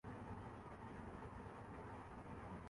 ھر یہ سوچتا شاید ان کو ابھی تک کوئی کام